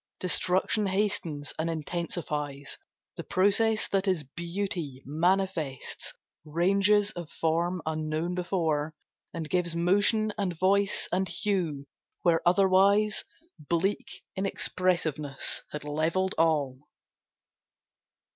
Destruction hastens and intensifies The process that is Beauty, manifests Ranges of form unknown before, and gives Motion and voice and hue where otherwise Bleak inexpressiveness had leveled all.